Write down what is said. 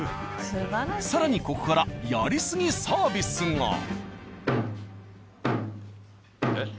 更にここからやりすぎサービスが。えっ？